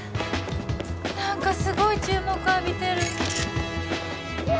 何かすごい注目浴びてるこら！